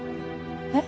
えっ？